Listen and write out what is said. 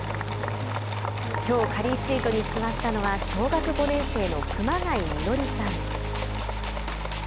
きょうカリーシートに座ったのは小学５年生の熊谷美慶さん。